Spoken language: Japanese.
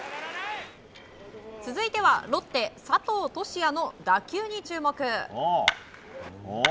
続いてはロッテ、佐藤都志也の打球に注目。